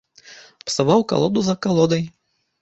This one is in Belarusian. Псаваў калоду за калодай.